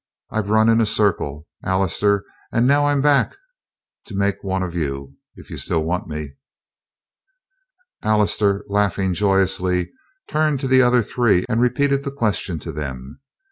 "I've run in a circle, Allister, and now I'm back to make one of you, if you still want me." Allister, laughing joyously, turned to the other three and repeated the question to them.